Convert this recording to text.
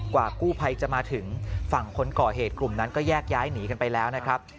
กว่ากู้ภัยจะมาถึงฝั่งคนก่อเหตุกลุ่มนั้นก็แยกย้ายหนีกันไปแล้วนะครับ